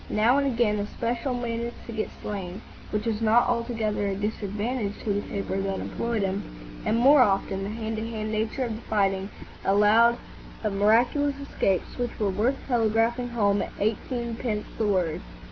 Now and again a "Special' managed to get slain,—which was not altogether a disadvantage to the paper that employed him,—and more often the hand to hand nature of the fighting allowed of miraculous escapes which were worth telegraphing home at eighteenpence the word.